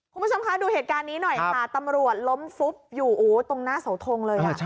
คุณผู้ชมคะดูเหตุการณ์นี้หน่อยค่ะตำรวจล้มฟุบอยู่ตรงหน้าเสาทงเลย